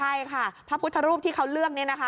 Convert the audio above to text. ใช่ค่ะพระพุทธรูปที่เขาเลือกเนี่ยนะคะ